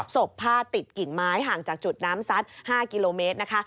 ศพผ้าติดกิ่งไม้ห่างจากจุดน้ำซัด๕กิโลเมตรนะคะ